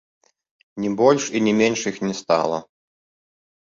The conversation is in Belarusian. Ні больш і ні менш іх не стала.